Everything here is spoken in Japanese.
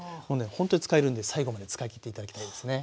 ほんとに使えるんで最後まで使いきって頂きたいですね。